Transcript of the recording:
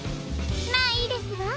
まあいいですわ。